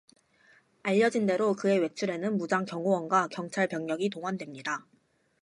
알려진 대로 그의 외출에는 무장 경호원과 경찰 병력이 동원됩니다